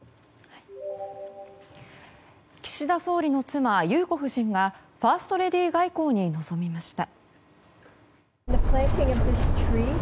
岸田総理の妻裕子夫人がファーストレディー外交に臨みました。